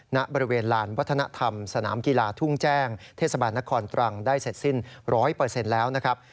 ณบริเวณลานวัฒนธรรมสนามกีฬาทุ่งแจ้งเทศบาลนครตรังได้เสร็จสิ้น๑๐๐แล้วนะครับ